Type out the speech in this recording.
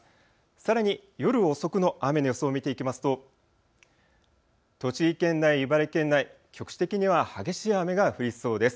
さらに夜遅くの雨の予想を見ていきますと栃木県内、茨城県内、局地的には激しい雨が降りそうです。